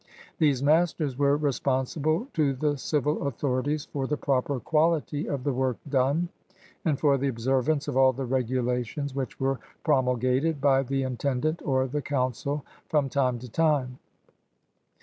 These masters were responsible to the dvil authorities for the proper quality of the work done and for the observance of all the regulations which were promulgated by the intendant or the council from time to time.